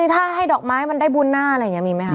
ถ้าให้ดอกไม้มันได้บุญหน้าอะไรอย่างนี้มีไหมคะ